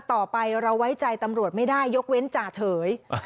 ต่อไปเราไว้ใจตำรวจไม่ได้ยกเว้นจ่าเฉย